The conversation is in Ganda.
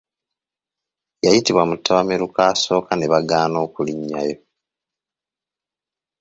Yayitibwa mu ttabamiruka asooka ne bagaana okulinnyayo.